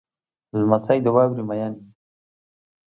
لمسی د واورې مین وي.